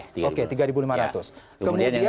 kemudian yang terakhir yang kelima